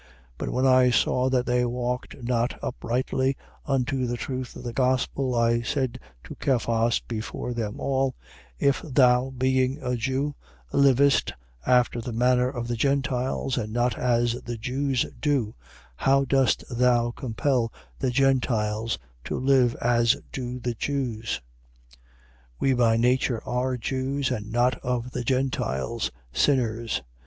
2:14. But when I saw that they walked not uprightly unto the truth of the gospel, I said to Cephas before them all: If thou, being a Jew, livest after the manner of the Gentiles and not as the Jews do, how dost thou compel the Gentiles to live as do the Jews? 2:15. We by nature are Jews: and not of the Gentiles, sinners.